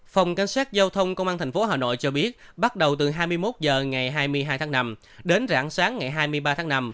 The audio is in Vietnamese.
phòng cảnh sát giao thông công an tp hà nội cho biết bắt đầu từ hai mươi một h ngày hai mươi hai tháng năm đến rạng sáng ngày hai mươi ba tháng năm